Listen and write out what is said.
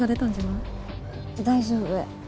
大丈夫。